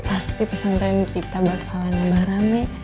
pasti pesantren kita bakalan berani